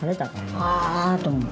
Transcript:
ああ！と思って。